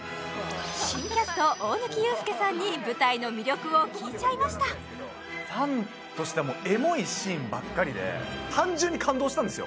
新キャスト大貫勇輔さんに舞台の魅力を聞いちゃいましたファンとしてはもうエモいシーンばっかりで単純に感動したんですよ